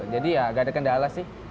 jadi ya nggak ada kendala sih